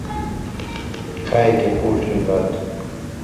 کھائ کھیں بُوڇھ رنگا تُھو۔